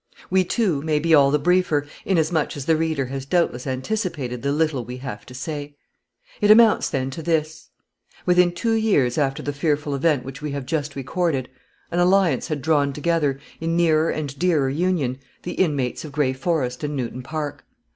We, too, may be all the briefer, inasmuch as the reader has doubtless anticipated the little we have to say. It amounts, then, to this: Within two years after the fearful event which we have just recorded, an alliance had drawn together, in nearer and dearer union, the inmates of Gray Forest and Newton Park.